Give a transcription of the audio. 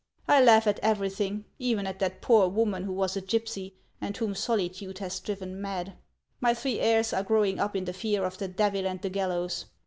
I laugh at everything, even at that poor woman who was a gypsy, and whom solitude has driven mad. My three heirs are growing up in the fear of the Devil and the gallows.